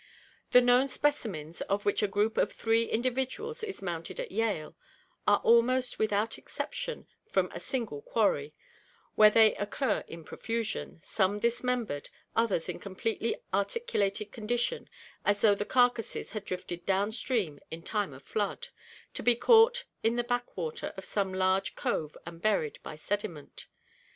The known specimens, of which a group of three individuals is mounted at Yale, are almost without exception from a single quarry, where they occur in profusion, some dismembered, others in completely articulated condition as though the carcasses had drifted downstream in time of flood, to be caught in the back water of some large cove and buried by sediment.